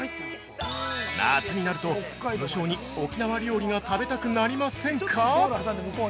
夏になると、無性に沖縄料理が食べたくなりませんか？